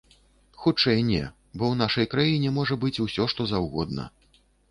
Хутчэй не, бо ў нашай краіне можа быць усё, што заўгодна.